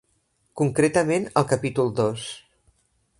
Concretament al capítol dos.